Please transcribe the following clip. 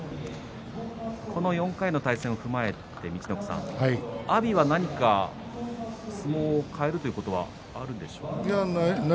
この４回の対戦を踏まえて陸奥さん阿炎は何か相撲を変えるというないでしょうね。